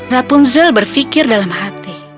rapunzel berfikir dalam hati